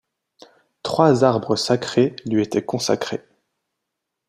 Trois arbres sacrés lui étaient consacrés.